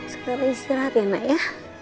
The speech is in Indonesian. sekitar istirahat ya nak ya